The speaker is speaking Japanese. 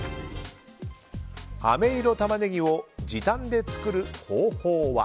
あめ色タマネギを時短で作る方法は。